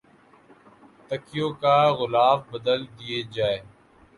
تکیوں کا غلاف بدل دیجئے